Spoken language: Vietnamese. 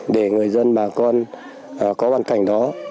để người dân bà con có hoàn cảnh đó